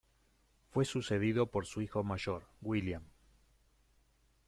Fue sucedido por su hijo mayor, William.